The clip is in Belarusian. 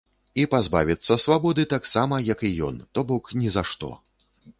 І пазбавіцца свабоды таксама, як і ён, то бок ні за што.